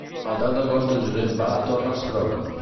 El deu d'agost en Josep va a Torre-serona.